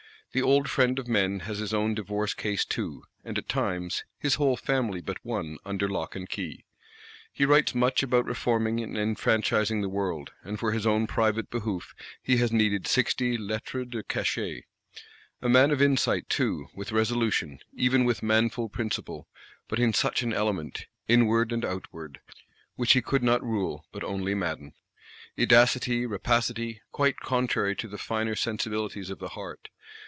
The old Friend of Men has his own divorce case too; and at times, "his whole family but one" under lock and key: he writes much about reforming and enfranchising the world; and for his own private behoof he has needed sixty Lettres de Cachet. A man of insight too, with resolution, even with manful principle: but in such an element, inward and outward; which he could not rule, but only madden. Edacity, rapacity;—quite contrary to the finer sensibilities of the heart!